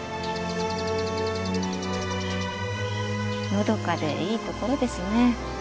のどかでいいところですね。